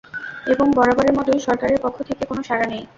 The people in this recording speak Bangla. এবং বরাবরের মতোই সরকারের পক্ষ থেকে কোনো সাড়া নেই।